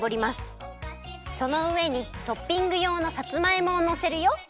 そのうえにトッピングようのさつまいもをのせるよ。